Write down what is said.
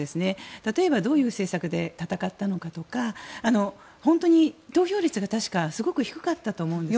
例えばどういう政策で闘ったのかとか本当に投票率が確かすごく低かったと思うんです。